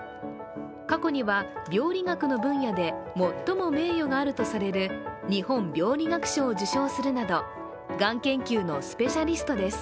過去には病理学の分野で最も名誉があるとされる日本病理学賞を受賞するなどがん研究のスペシャリストです。